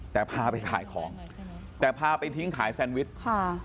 แต่พาไปขายของแต่พาไปทิ้งขายแซนวิชค่ะ